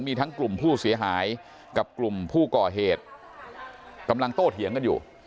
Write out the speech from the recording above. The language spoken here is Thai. มีทั้งกลุ่มผู้เสียหายกับกลุ่มผู้ก่อเหตุกำลังโต้เถียงกันอยู่